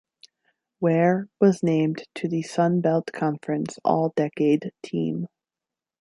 Ware was named to the Sun Belt Conference All-Decade Team.